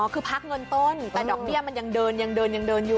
คือพักเงินต้นแต่ดอกเบี้ยมันยังเดินอยู่